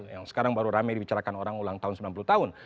yang sekarang baru rame dibicarakan orang ulang tahun sembilan puluh tahun